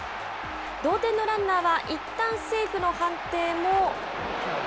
同点のランナーはいったんセーフの判定も。